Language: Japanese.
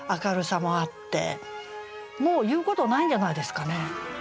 もう言うことないんじゃないですかね。